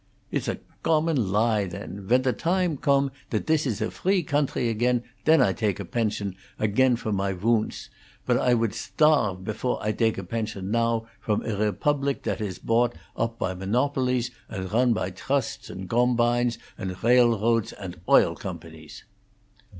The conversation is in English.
"It's a gommon lie, then! When the time gome dat dis iss a free gountry again, then I dake a bension again for my woundts; but I would sdarfe before I dake a bension now from a rebublic dat iss bought oap by monobolies, and ron by drusts and gompines, and railroadts andt oil gompanies."